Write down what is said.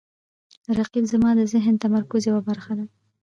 رقیب زما د ذهني تمرکز یوه برخه ده